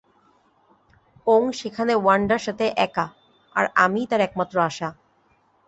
ওং সেখানে ওয়ান্ডার সাথে একা আর আমিই তার একমাত্র আশা।